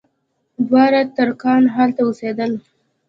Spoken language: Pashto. دواړه ترکان هلته اوسېدل.